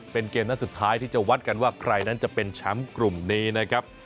เป็นเกมนัดสุดท้ายที่จะวัดกันว่าใครนั้นจะเป็นแชมป์กลุ่มนี้นะครับ